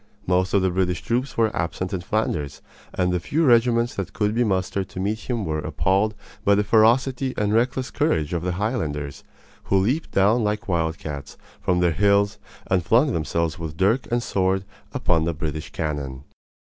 Most of the British troops were absent in Flanders, and the few regiments that could be mustered to meet him were appalled by the ferocity and reckless courage of the Highlanders, who leaped down like wildcats from their hills and flung themselves with dirk and sword upon the British cannon.